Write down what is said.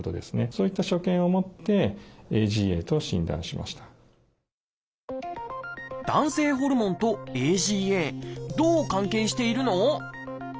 そういった所見をもって男性ホルモンとＡＧＡどう関係しているの？